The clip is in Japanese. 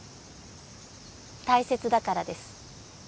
大切だからです